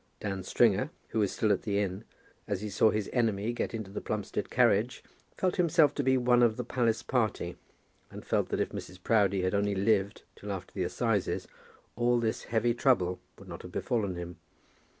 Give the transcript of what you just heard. Dan Stringer, who was still at the inn, as he saw his enemy get into the Plumstead carriage, felt himself to be one of the palace party, and felt that if Mrs. Proudie had only lived till after the assizes all this heavy trouble would not have befallen him.